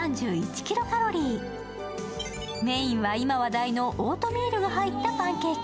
メインは今話題のオートミールが入ったパンケーキ。